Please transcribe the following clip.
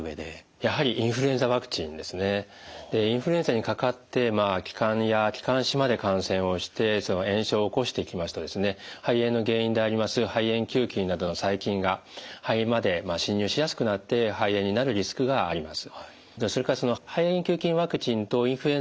やはりインフルエンザにかかって気管や気管支まで感染をして炎症を起こしてきますと肺炎の原因であります肺炎球菌などの細菌が肺まで侵入しやすくなって肺炎になるリスクがあります。